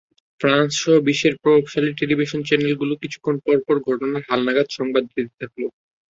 ফ্রান্সসহ বিশ্বের প্রভাবশালী টেলিভিশন চ্যানেলগুলো কিছুক্ষণ পরপর ঘটনার হালনাগাদ সংবাদ দিতে থাকল।